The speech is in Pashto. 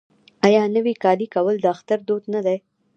آیا نوی کالی کول د اختر دود نه دی؟